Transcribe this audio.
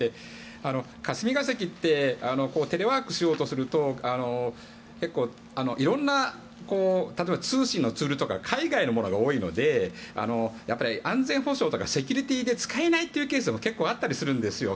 霞が関ってテレワークしようとすると結構、色んな例えば、通信のツールとか海外のものが多いので安全保障とかセキュリティーで使えないというケースも結構あったりするんですよ。